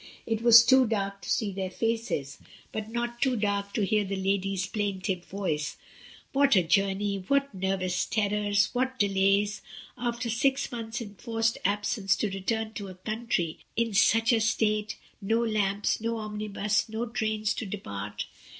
It was too dark to see their faces, but not too dark to hear the lady's plaintive voice — "What a journey! what nervous terrors! what delays! after six months' en forced absence to return to a country in such a state — no lamps, no omnibus, no trains to depart, II* 164 MRS. DYMOND.